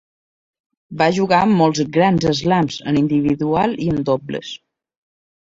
Va jugar molts grans eslams, en individual i en dobles.